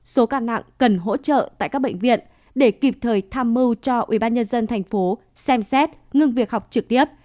số ca nặng cần hỗ trợ tại các bệnh viện để kịp thời tham mưu cho ubnd tp xem xét ngưng việc học trực tiếp